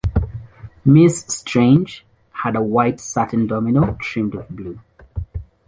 Miss Strange had a White satin domino trimmed with Blue.